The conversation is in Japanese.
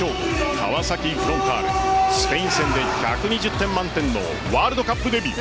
川崎フロンターレスペイン戦で１２０点満点のワールドカップデビュー。